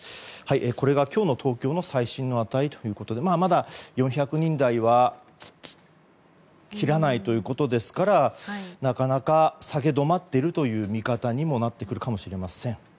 これが今日の東京の最新の値ということでまだ、４００人台は切らないということですからなかなか下げ止まっているという見方にもなってくるかもしれません。